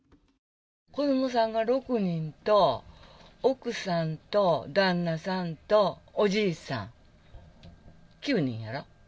子どもさんが６人と、奥さんとだんなさんと、おじいさん、９人やろ。